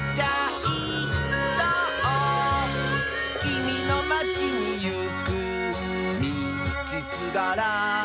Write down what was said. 「きみのまちにいくみちすがら」